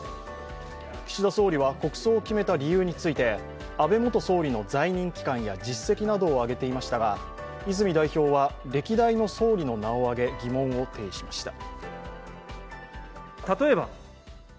岸田総理は国葬を決めた理由について安倍元総理の在任期間や実績などを挙げていましたが泉代表は歴代の総理の名を挙げ疑問を呈しました。